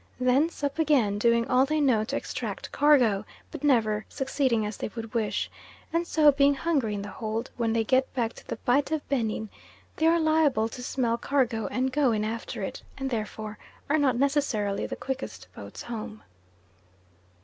Thence up again, doing all they know to extract cargo, but never succeeding as they would wish, and so being hungry in the hold when they get back to the Bight of Benin, they are liable to smell cargo and go in after it, and therefore are not necessarily the quickest boats home.